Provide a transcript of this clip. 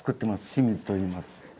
清水といいます。